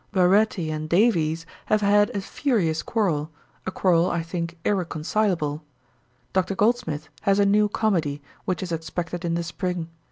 'Baretti and Davies have had a furious quarrel; a quarrel, I think, irreconcileable. Dr. Goldsmith has a new comedy, which is expected in the spring.